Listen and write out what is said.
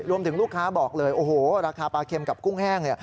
รวมถึงลูกค้าบอกเลยโอ้โหราคาปลาเค็มกับกุ้งแห้ง